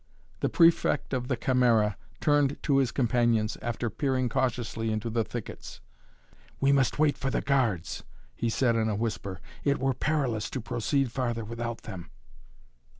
The Prefect of the Camera turned to his companions, after peering cautiously into the thickets. "We must wait for the guards," he said in a whisper. "It were perilous to proceed farther without them."